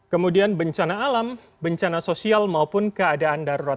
kemudian bencana alam bencana sosial maupun keadaan darurat